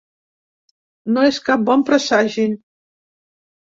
No és cap bon presagi.